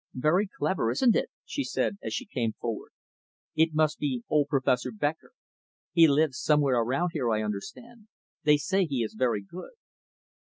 "Very clever, isn't it," she said as she came forward "It must be old Professor Becker. He lives somewhere around here, I understand. They say he is very good."